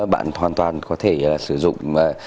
bạn hoàn toàn có thể sử dụng